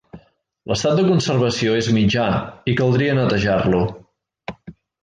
L'estat de conservació és mitjà i caldria netejar-lo.